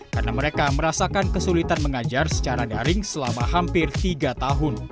karena mereka merasakan kesulitan mengajar secara daring selama hampir tiga tahun